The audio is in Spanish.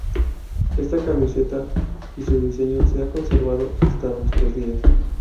Esta camiseta y su diseño se ha conservado hasta nuestros días.